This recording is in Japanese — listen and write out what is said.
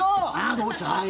どうした！